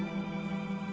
setiap senulun buat